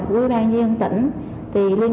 của đoàn dân tỉnh